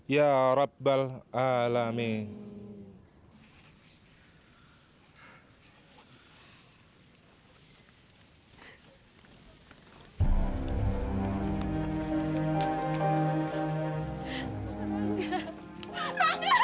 rangga kenapa kamu tinggalin aku